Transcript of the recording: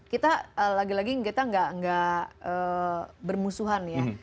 kita lagi lagi kita nggak bermusuhan ya